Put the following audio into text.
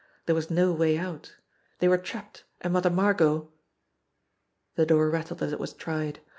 There was no way out. They were trapped, and Mother Margot The door rattled as it was tried.